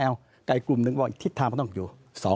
แต่อีกกลุ่มนึงก็ว่าทิศทางต้องอยู่